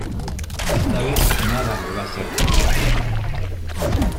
esta vez nada me va a hacer cambiar.